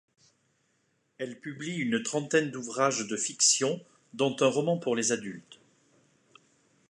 Elle publie une trentaine d'ouvrages de fiction, dont un roman pour les adultes.